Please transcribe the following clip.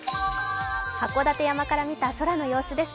函館山から見た空の様子です。